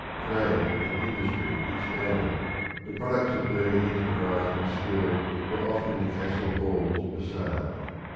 Trade and industry expanded; the products of burgher enterprise and skill were offered in the castle halls for sale.